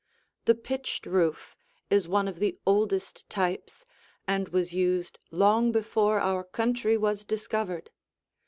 The pitched roof is one of the oldest types and was used long before our country was discovered.